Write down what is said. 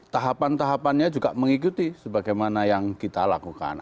tahapan tahapannya juga mengikuti sebagaimana yang kita lakukan